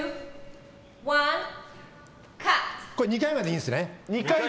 これ２回までいいんですね？